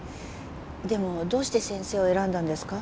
でもどうして先生を選んだんですか？